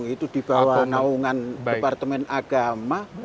itu di bawah naungan departemen agama